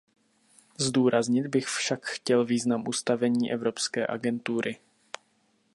Zdůraznit bych však chtěl význam ustavení evropské agentury.